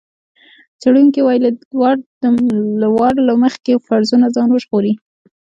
څېړونکی دې له وار له مخکې فرضونو ځان وژغوري.